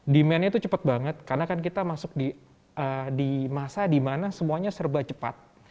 demandnya itu cepat banget karena kan kita masuk di masa dimana semuanya serba cepat